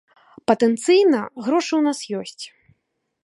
Патэнцыйна, грошы ў нас ёсць.